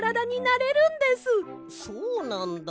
そうなんだ。